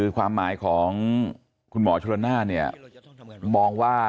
ความหมายของคุณหมอชนละนานมองว่า